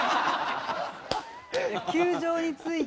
球場に着いて。